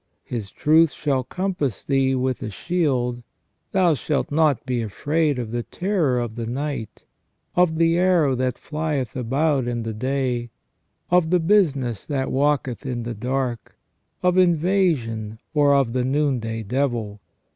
His truth shall compass thee with a shield : thou shalt not be afraid of the terror of the night, of the arrow that flieth about in the day, of the business that walketh in the dark ; of invasion or of the noonday devil.